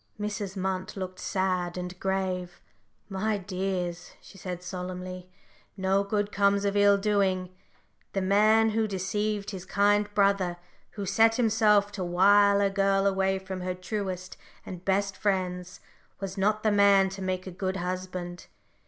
Mrs. Munt looked sad and grave. "My dears," she said, solemnly, "no good comes of ill doing. The man who deceived his kind brother, who set himself to wile a girl away from her truest and best friends, was not the man to make a good husband.